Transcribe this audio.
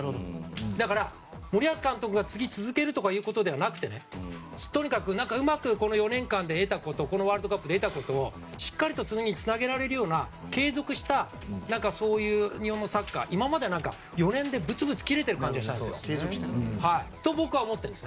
だから、森保監督が次続けるとかということではなくてうまく４年間で得たことこのワールドカップで得たことをしっかり次につなげられるような継続したそういう日本のサッカー今までは４年でぶつぶつ切れている感じがしたと僕は思ってるんです。